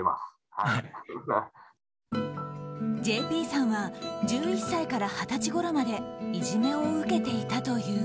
ＪＰさんは１１歳から二十歳ごろまでいじめを受けていたという。